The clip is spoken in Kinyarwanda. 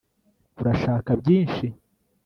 urashaka byinshi